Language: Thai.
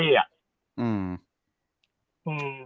อืม